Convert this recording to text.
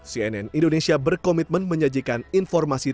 cnn indonesia berkomitmen menyajikan informasi